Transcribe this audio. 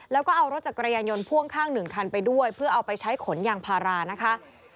แล้วก็เอารถจักรยานยนต์พ่วงข้างหนึ่งคันไปด้วยเพื่อเอาไปใช้ขนยางพารานะคะ